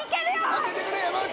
当ててくれ山内！